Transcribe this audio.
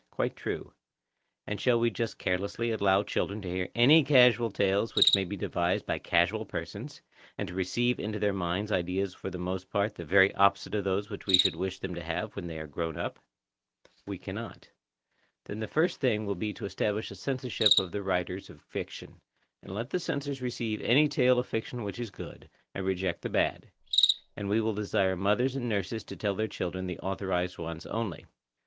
Quite true. And shall we just carelessly allow children to hear any casual tales which may be devised by casual persons, and to receive into their minds ideas for the most part the very opposite of those which we should wish them to have when they are grown up? We cannot. Then the first thing will be to establish a censorship of the writers of fiction, and let the censors receive any tale of fiction which is good, and reject the bad; and we will desire mothers and nurses to tell their children the authorised ones only.